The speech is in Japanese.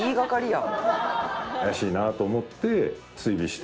怪しいなと思って追尾して。